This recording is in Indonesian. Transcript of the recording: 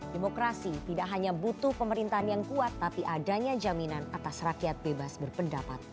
demokrasi tidak hanya butuh pemerintahan yang kuat tapi adanya jaminan atas rakyat bebas berpendapat